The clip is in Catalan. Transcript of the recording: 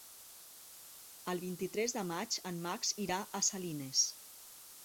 El vint-i-tres de maig en Max irà a Salines.